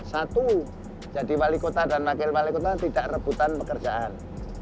satu jadi wali kota dan wakil wali kota tidak rebutan pekerjaan